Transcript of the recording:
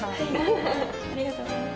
ありがとうございます。